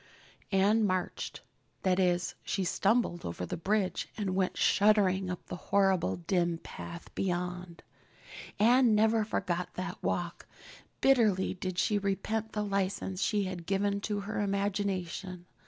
Anne marched. That is, she stumbled over the bridge and went shuddering up the horrible dim path beyond. Anne never forgot that walk. Bitterly did she repent the license she had given to her imagination.